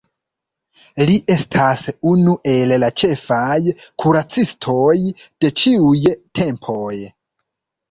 Li estas unu el la ĉefaj kuracistoj de ĉiuj tempoj.